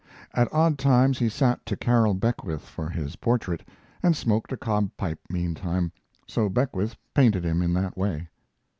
At odd times he sat to Carroll Beckwith for his portrait, and smoked a cob pipe meantime, so Beckwith painted him in that way.